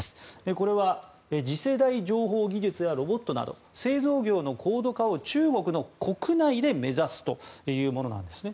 これは、次世代情報技術やロボットなど製造業の高度化を中国の国内で目指すというものなんですね。